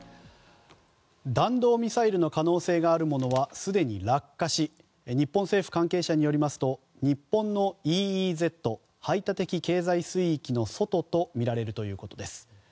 弾道ミサイルの可能性があるものは日本政府関係者によりますと日本のＥＥＺ・排他的経済水域の外とみられるということです。